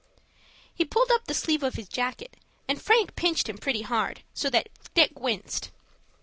He pulled up the sleeve of his jacket, and Frank pinched him pretty hard, so that Dick winced.